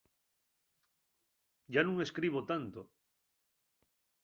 Yá nun escribo tanto.